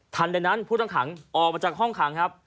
ในนั้นผู้ต้องขังออกมาจากห้องขังครับ